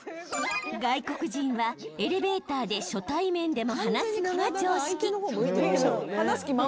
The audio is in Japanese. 外国人はエレベーターで初対面でも話すのが常識。